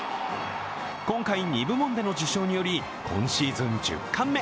今回２部門での受賞により今シーズン１０冠目。